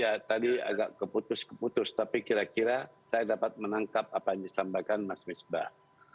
ya tadi agak keputus keputus tapi kira kira saya dapat menangkap apa yang disampaikan mas misbah